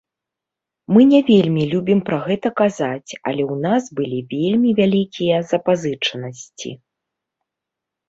Мы не вельмі любім пра гэта казаць, але ў нас былі вельмі вялікія запазычанасці.